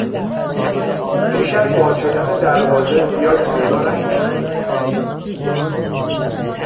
پیش از باز شدن دروازه زیاد انتظار نکشیدیم.